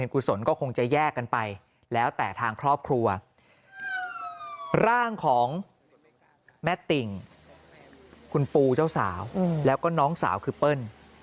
ของแม่ติ่งคุณปูเจ้าสาวแล้วก็น้องสาวคือเปิ้ล